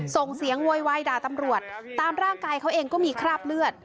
ส่งเสียงโวยวายด่าตำรวจตามร่างกายเขาเองก็มีคราบเลือด